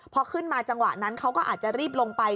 พอขึ้นมาจังหวะนั้นเขาก็อาจจะรีบลงไป